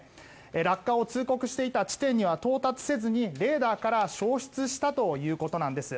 落下を通告していた地点には到達せずにレーダーから消失したということなんです。